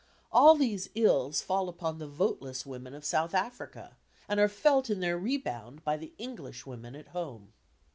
All these ills fall upon the voteless women of South Africa, and are felt in their rebound by the English women at home.